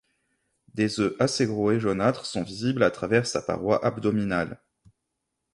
Des œufs assez gros et jaunâtres sont visibles à travers sa paroi abdominale.